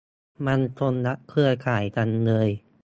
มันคนละเครือข่ายกันเลย